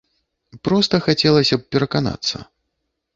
Проста хацелася б пераканацца.